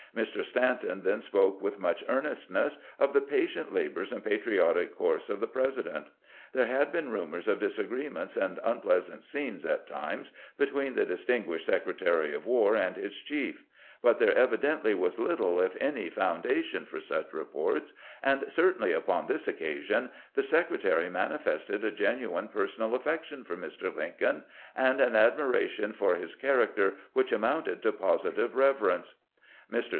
Mr. Stanton then spoke with much earnestness of the patient labors and patriotic course of the President. There had been rumors of disagreements and unpleasant scenes at times between the distinguished Secretary of "War and his chief ; but there evidently was 20 306 CAMPAIGNING WITH GRANT little, if any, foundation for sucli reports, and certainly upon this occasion tlie Secretary manifested a genuine personal affection for Mr. Lincoln, and an admiration for his character which amounted to positive reverence. Mr.